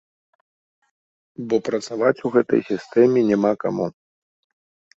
Бо працаваць у гэтай сістэме няма каму.